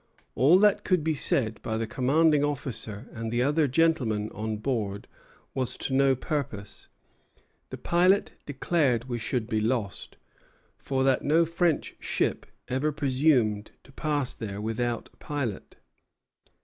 All that could be said by the commanding officer and the other gentlemen on board was to no purpose; the pilot declared we should be lost, for that no French ship ever presumed to pass there without a pilot.